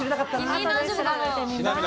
気になる。